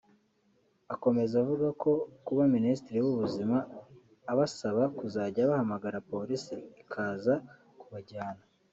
Akomeza avuga ko kuba Minisitiri w’Ubuzima abasaba kuzajya bahamagara Polisi ikaza kubajyana